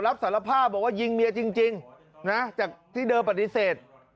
รับสารภาพบอกว่ายิงเมียจริงนะจากที่เดิมปฏิเสธ